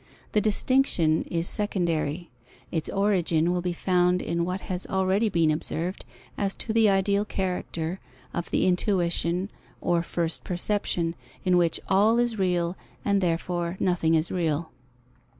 The distinction is secondary. Its origin will be found in what has already been observed as to the ideal character of the intuition or first perception, in which all is real and therefore nothing is real.